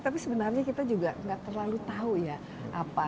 tapi sebenarnya kita juga nggak terlalu tahu ya apa